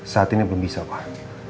saat ini belum bisa pak